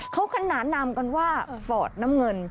เขาขนานนามกันว่าฟอร์ดน้ำเงิน